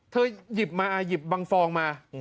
หยิบมาหยิบบังฟองมา